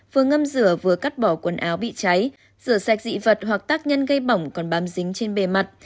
vừa ngâm rửa vừa cắt bỏ quần áo bị cháy rửa sạch dị vật hoặc tác nhân gây bỏng còn bám dính trên bề mặt